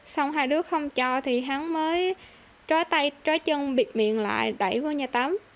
xong hai đứa không cho thì hắn mới trói tay trói chân bịt miệng lại đẩy vào nhà tắm